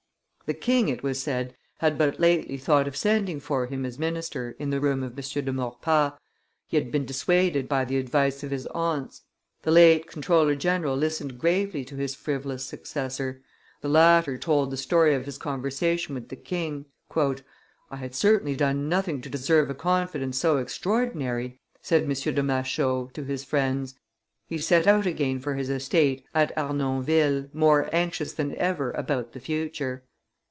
The king, it was said, had but lately thought of sending for him as minister in the room of M. de Maurepas, he had been dissuaded by the advice of his aunts; the late comptroller general listened gravely to his frivolous successor; the latter told the story of his conversation with the king. "I had certainly done nothing to deserve a confidence so extraordinary," said M. de Machault to his friends. He set out again for his estate at Arnonville, more anxious than ever about the future.